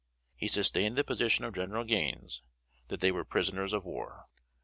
He sustained the position of General Gaines, that they were prisoners of war.